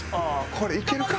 これいけるか？